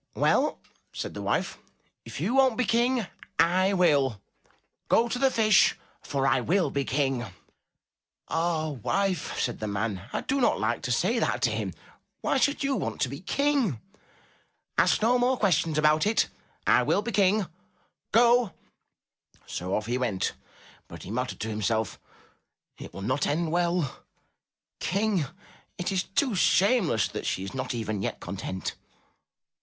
"Well, said the wife, "if you won*t be King, I will; go to the Fish, for I will be King.*' "Ah, wife, said the man, "I do not like to say 196 UP ONE PAIR OF STAIRS that to him. Why should you want to be King?" '' Ask no more questions about it ! I will be King. Go !" So off he went but he muttered to himself, ''It will not end well! King! It is too shameless that she is not even yet content."